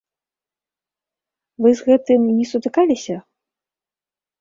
Вы з гэтым не сутыкаліся?